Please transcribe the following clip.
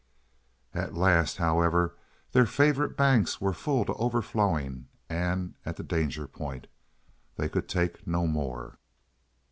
At last, however, their favorite banks were full to overflowing and at the danger point. They could take no more.